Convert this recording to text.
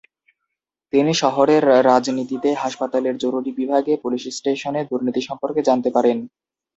তিনি শহরের রাজনীতিতে, হাসপাতালের জরুরি বিভাগে, পুলিশ স্টেশনে দুর্নীতি সম্পর্কে জানতে পারেন।